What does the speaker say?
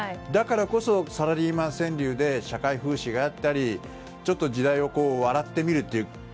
だからこそサラリーマン川柳で社会風刺があったりちょっと時代を笑ってみる。